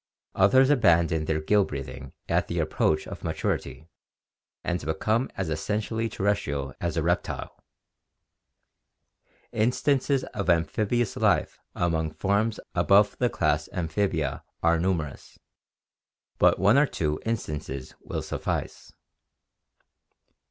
Others abandon their gill breathing at the approach of maturity and become as essenr tially terrestrial as a reptile. Instances of amphibious life among forms above the class Amphi bia are numerous, but one or two instances will suffice.